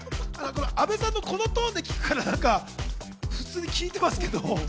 阿部さんのトーンで聞くから、普通に聞いてますけど。